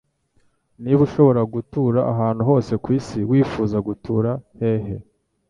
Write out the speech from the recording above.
Niba ushobora gutura ahantu hose ku isi, wifuza gutura he?